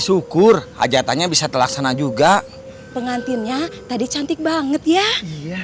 syukur ajatannya bisa telaksana juga pengantinnya tadi cantik banget ya iya